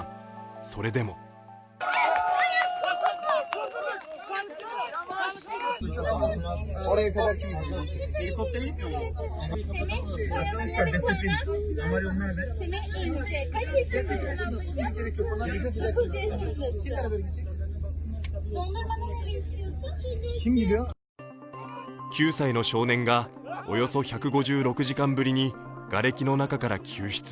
それでも９歳の少年がおよそ１５６時間ぶりにがれきの中から救出。